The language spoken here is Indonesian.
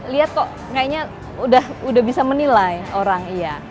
lihat kok kayaknya udah bisa menilai orang iya